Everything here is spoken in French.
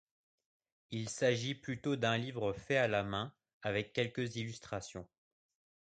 Il s'agit plutôt d'un livre fait à la main avec quelques illustrations.